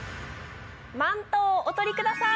マントをお取りください。